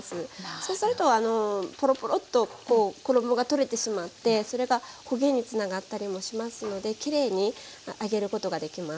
そうするとポロポロっと衣が取れてしまってそれが焦げにつながったりもしますのできれいに揚げることができます。